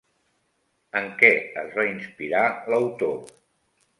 En què es va inspirar l'autor?